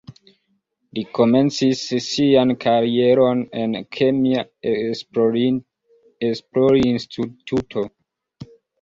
Li komencis sian karieron en kemia esplorinstituto.